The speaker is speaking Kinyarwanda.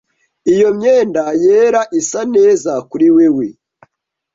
Iyo myenda yera isa neza kuri wewe.